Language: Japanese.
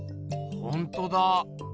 ほんとだ。